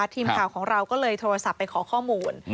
ทีมข่าวของเราก็เลยโทรศัพท์ไปขอข้อมูล